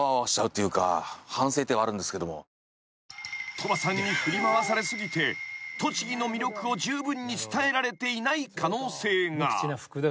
［鳥羽さんに振り回され過ぎて栃木の魅力をじゅうぶんに伝えられていない可能性が］